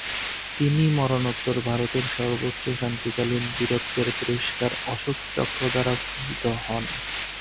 তিনি মরণোত্তর ভারতের সর্বোচ্চ শান্তিকালীন বীরত্বের পুরষ্কার অশোক চক্র দ্বারা ভূষিত হন।